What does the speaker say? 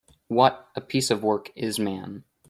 [What] a piece of work [is man]